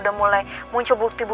dan kalau kasih tau